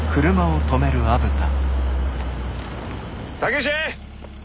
武志！